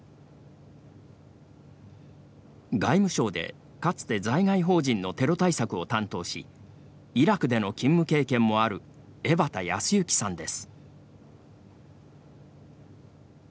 外務省で、かつて在外邦人のテロ対策を担当しイラクでの勤務経験もある江端康行さんです。